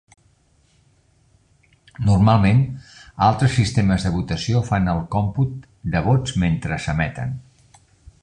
Normalment, altres sistemes de votació fan el còmput de vots mentre s'emeten.